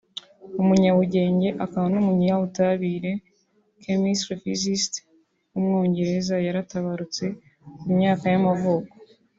umunyabugenge akaba n’umunyabutabire (chemist-physist) w’umwongereza yaratabarutse ku myaka y’amavuko